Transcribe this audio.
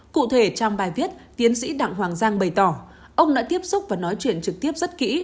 cụ thể trong bài viết tiến sĩ đặng hoàng giang bày tỏ ông đã tiếp xúc và nói chuyện trực tiếp rất kỹ